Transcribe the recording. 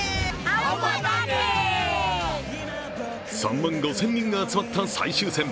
３万５０００人が集まった最終戦。